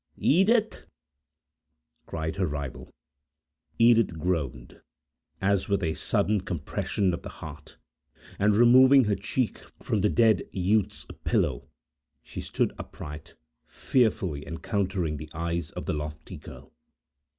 "Edith!" cried her rival. Edith groaned, as with a sudden compression of the heart; and removing her cheek from the dead youth's pillow, she stood upright, fearfully encountering the eyes of the lofty girl.